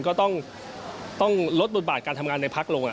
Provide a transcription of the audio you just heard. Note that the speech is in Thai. ก็ต้องลดบทบาทการทำงานในพักลง